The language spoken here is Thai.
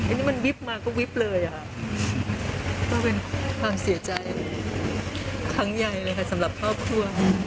อันนี้มันวิบมาก็วิบเลยค่ะก็เป็นความเสียใจครั้งใหญ่เลยค่ะสำหรับครอบครัว